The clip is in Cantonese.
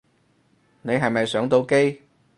你係咪上到機